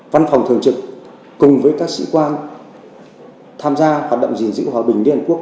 văn phòng thường trực cùng với các sĩ quan tham gia hoạt động gìn giữ hòa bình liên hợp quốc